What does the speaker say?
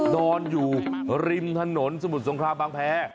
นอนอยู่ริมถนนสมุทรสงครามบางแพร